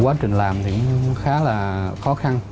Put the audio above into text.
quá trình làm thì khá là khó khăn